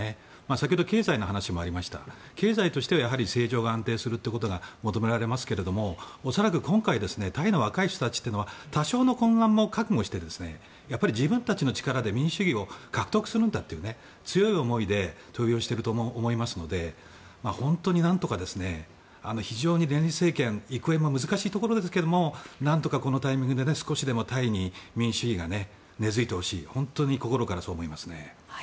先ほど経済の話もありました経済としては政情が安定することが求められますが恐らく今回タイの若い人たちは多少の混乱も覚悟して自分たちの力で民主主義を獲得するという強い気持ちで投票していると思いますので本当に、なんとか非常に連立政権幾重も難しいところですが何とかこのタイミングでタイに民主主義が根付いてほしいと心から思います。